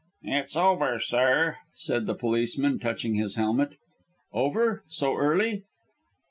"It's over, sir," said the policeman, touching his helmet. "Over so early!"